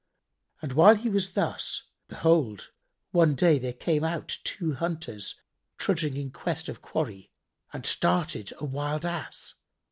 And whilst he was thus, behold, one day there came out two hunters trudging in quest of quarry and started a wild Ass.